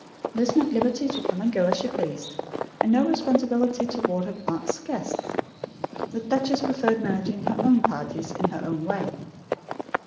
This meant liberty to come and go as she pleased; and no responsibility towards her aunt's guests. The duchess preferred managing her own parties in her oven way.